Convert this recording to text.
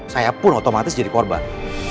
saya pun otomatis jadi korban